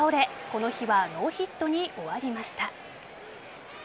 この日はノーヒットに終わりました。